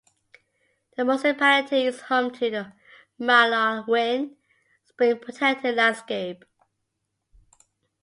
The municipality is home to the Maulawin Spring Protected Landscape.